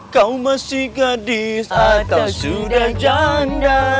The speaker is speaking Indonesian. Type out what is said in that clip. kau masih gadis atau sudah janda